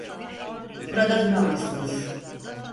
Burada duramazsınız.